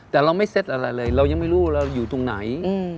แต่เราไม่เซ็ตอะไรเลยเรายังไม่รู้เราอยู่ตรงไหน